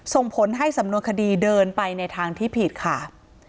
ส่งผลให้สำนวนคดีเดินไปในทางที่ผิดค่ะ